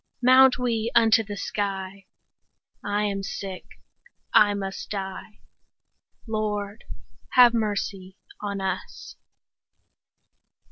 Mount we unto the sky; 40 I am sick, I must die— Lord, have mercy on us!